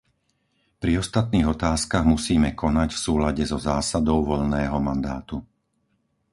Pri ostatných otázkach musíme konať v súlade so zásadou voľného mandátu.